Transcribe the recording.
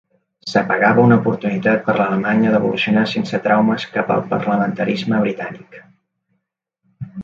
S'apagava una oportunitat per Alemanya d'evolucionar sense traumes cap al parlamentarisme britànic.